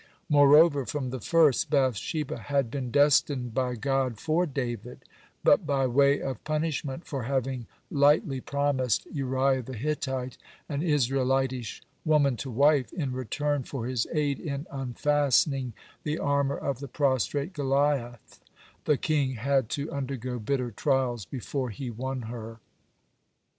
(92) Moreover, from the first, Bath sheba had been destined by God for David, but by way of punishment for having lightly promised Uriah the Hittite an Israelitish woman to wife, in return for his aid in unfastening the armor of the prostrate Goliath, the king had to undergo bitter trials before he won her.